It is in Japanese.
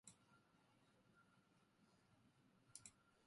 無加工やんまじで